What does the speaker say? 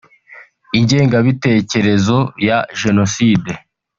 ingengabitekerezo ya jenoside